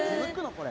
これ。